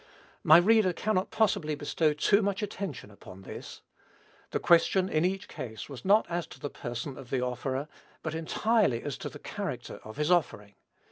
My reader cannot possibly bestow too much attention upon this. The question, in each case, was not as to the person of the offerer; but entirely as to the character of his offering.